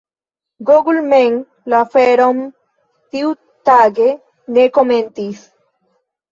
Google mem la aferon tiutage ne komentis.